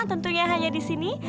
tentunya hanya disini